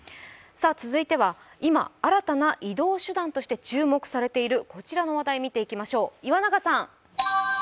続いては、今、新たな移動手段として注目されているこちらを見てみましょう。